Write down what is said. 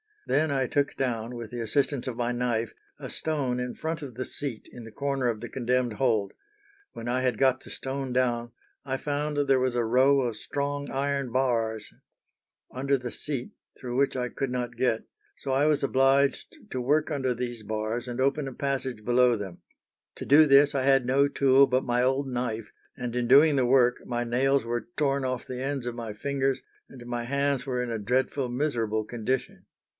Then I took down, with the assistance of my knife, a stone in front of the seat in the corner of the condemned hold: when I had got the stone down, I found there was a row of strong iron bars under the seat through which I could not get, so I was obliged to work under these bars and open a passage below them. To do this I had no tool but my old knife, and in doing the work my nails were torn off the ends of my fingers, and my hands were in a dreadful, miserable condition.